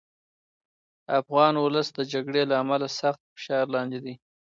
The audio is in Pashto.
افغان ولس د جګړې له امله سخت فشار لاندې دی.